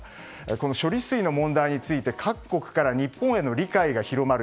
この処理水の問題について各国から日本への理解が広まる